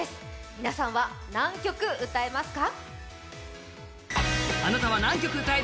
皆さんは何曲歌えますか？